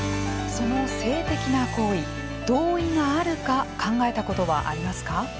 その性的な行為同意があるか考えたことはありますか。